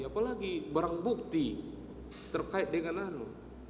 apalagi barang bukti terkait dengan anu